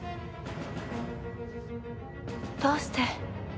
どうして？